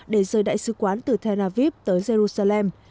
để rời đại sứ quán từ tel aviv tới jerusalem